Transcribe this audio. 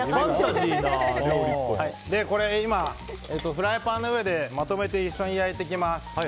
今、フライパンの上でまとめて一緒に焼いていきます。